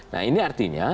nah ini artinya